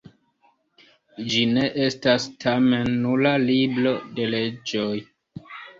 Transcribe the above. Ĝi ne estas, tamen, nura libro de leĝoj.